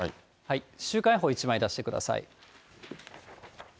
週間予報１枚出してください。